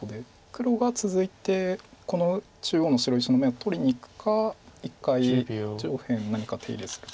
黒が続いてこの中央の白石の眼を取りにいくか一回上辺何か手入れするか。